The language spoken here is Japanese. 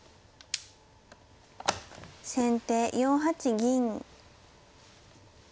先手４八銀。